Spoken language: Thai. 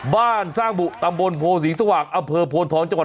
บ้านสร้างบุตำบลโพศรีสว่างอำเภอโพนทองจังหวัด